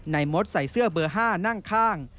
มดใส่เสื้อเบอร์๕นั่งข้าง